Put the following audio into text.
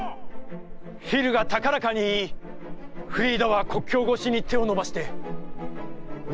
フィルが高らかに言い、フリーダは国境ごしに手を伸ばして内